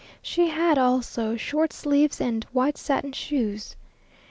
She had also short sleeves and white satin shoes.